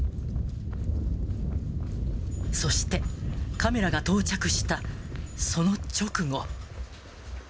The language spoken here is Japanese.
そして、カメラが到着したその直後。